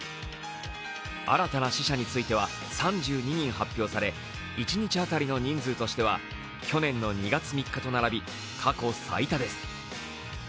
新たな死者については３２人発表され、一日当たりの人数としては去年の２月３日と並び過去最多です。